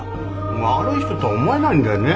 悪い人とは思えないんだよね。